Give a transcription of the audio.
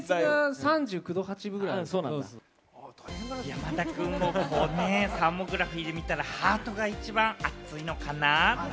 山田くんをサーモグラフィーで見たらハートが一番熱いのかな。